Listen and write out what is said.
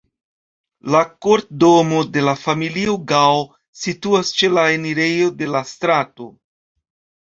La kortdomo de la familio Gao situas ĉe la enirejo de la strato.